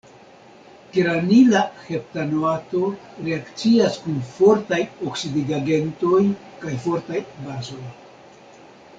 Geranila heptanoato reakcias kun fortaj oksidigagentoj kaj fortaj bazoj.